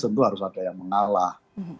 tentu harus ada yang mengalah